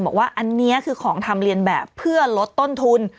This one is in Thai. บอกว่าอันนี้คือของทำเรียนแบบเพื่อลดต้นทุน